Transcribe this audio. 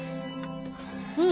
うん！